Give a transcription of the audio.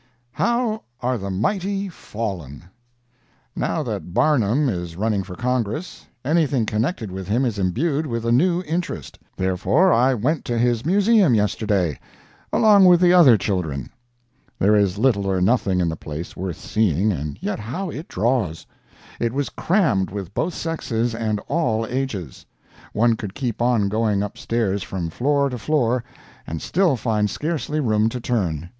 ] HOW ARE THE MIGHTY FALLEN! Now that Barnum is running for Congress, anything connected with him is imbued with a new interest. Therefore I went to his Museum yesterday, along with the other children. There is little or nothing in the place worth seeing, and yet how it draws! It was crammed with both sexes and all ages. One could keep on going upstairs from floor to floor, and still find scarcely room to turn.